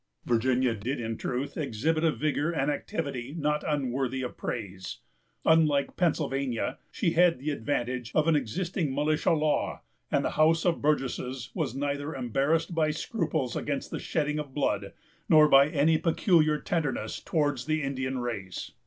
Virginia did, in truth, exhibit a vigor and activity not unworthy of praise. Unlike Pennsylvania, she had the advantage of an existing militia law; and the House of Burgesses was neither embarrassed by scruples against the shedding of blood, nor by any peculiar tenderness towards the Indian race.